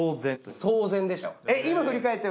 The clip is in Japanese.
騒然でしたよ。